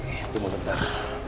ini mau bentar